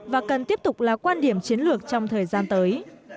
và cần tiếp tục là quan điểm chiến lược trong thời gian tới